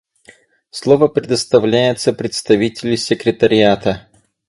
Слово предоставляется представителю Секретариата.